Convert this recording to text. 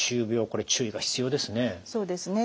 これ注意が必要ですね。